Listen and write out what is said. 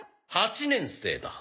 ８年生だ。